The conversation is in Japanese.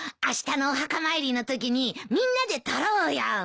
あしたのお墓参りのときにみんなで撮ろうよ。